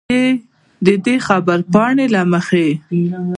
د خبرپاڼې له مخې